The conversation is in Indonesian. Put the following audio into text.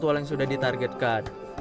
jadwal yang sudah ditargetkan